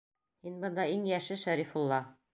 Һин бында иң йәше, Шәрифулла!